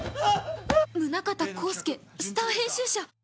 宗像公介スター編集者！